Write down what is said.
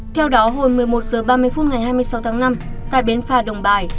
theo đó hồi một mươi một h ba mươi phút ngày hai mươi sáu tháng năm tại bến phà đồng bài